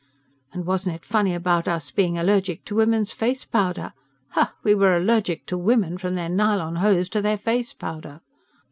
And wasn't it funny about us being allergic to women's face powder? Ha! We were allergic to women from their nylon hose to their face powder.